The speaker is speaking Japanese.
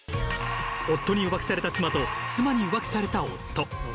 夫に浮気された妻と妻に浮気された夫。